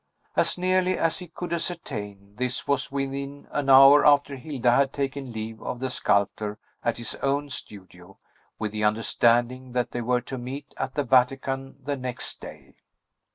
As nearly as he could ascertain, this was within an hour after Hilda had taken leave of the sculptor at his own studio, with the understanding that they were to meet at the Vatican the next day.